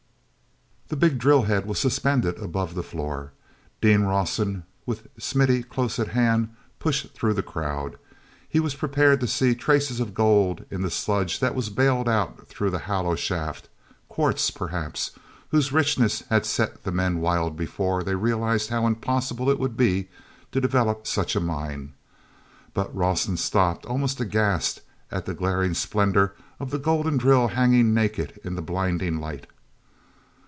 The big drill head was suspended above the floor. Dean Rawson, with Smithy close at hand, pushed through the crowd. He was prepared to see traces of gold in the sludge that was bailed out through the hollow shaft—quartz, perhaps, whose richness had set the men wild before they realized how impossible it would be to develop such a mine. But Rawson stopped almost aghast at the glaring splendor of the golden drill hanging naked in the blinding light.